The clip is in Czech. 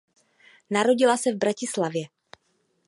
Narodila se v Bratislavě.